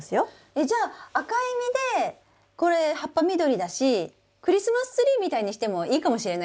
えじゃあ赤い実でこれ葉っぱ緑だしクリスマスツリーみたいにしてもいいかもしれないですね１２月だし。